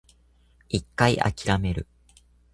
一回諦める